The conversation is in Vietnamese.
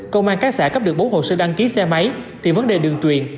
công an các xã cấp được bốn hồ sơ đăng ký xe máy thì vấn đề đường truyền